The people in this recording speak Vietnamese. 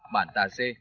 bản tà dê